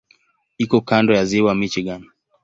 Iko kando ya Ziwa Michigan.